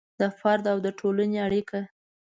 د فرد او د ټولنې اړیکه